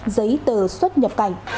giấy tờ xuất nhập cảnh